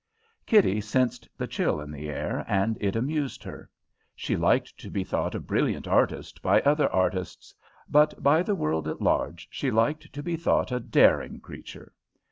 Kitty sensed the chill in the air, and it amused her. She liked to be thought a brilliant artist by other artists, but by the world at large she liked to be thought a daring creature.